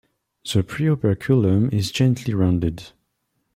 The preoperculum is gently rounded.